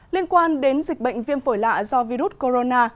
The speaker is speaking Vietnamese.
liên quan đến dịch bệnh viêm phổi lạ do virus corona